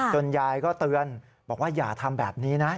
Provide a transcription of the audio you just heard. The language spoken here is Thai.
ยายก็เตือนบอกว่าอย่าทำแบบนี้นะ